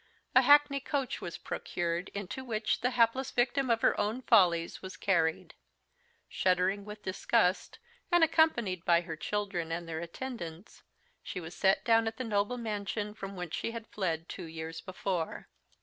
A hackney coach was procured, into which the hapless victim of her own follies was carried. Shuddering with disgust, and accompanied by her children and their attendants, she was set down at the noble mansion from which she had fled two years before.